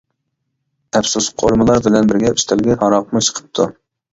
ئەپسۇس، قورۇمىلار بىلەن بىرگە ئۈستەلگە ھاراقمۇ چىقىپتۇ.